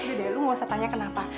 udah udah lo nggak usah tanya kenapa